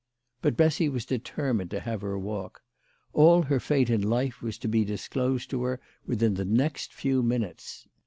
But Bessy was determined to have her walk. All her fate in life was to be dis closed to her within the next few minutes.